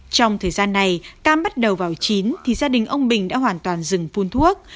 trong thời gian này cam bắt đầu vào chín thì gia đình ông bình đã hoàn toàn dừng phun thuốc